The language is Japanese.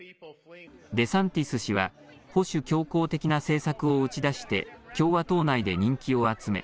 デサンティス氏は保守強硬的な政策を打ち出して共和党内で人気を集め